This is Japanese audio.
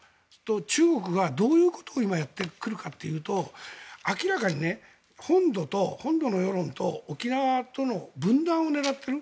中国がどういうことを今やってくるかというと明らかに本土の世論と沖縄との分断を狙っている。